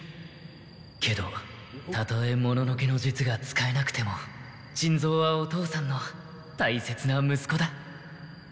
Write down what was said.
けどたとえもののけの術が使えなくても珍蔵はお父さんの大切な息子だ。